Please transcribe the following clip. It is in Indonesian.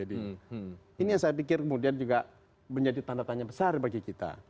ini yang saya pikir kemudian juga menjadi tanda tanya besar bagi kita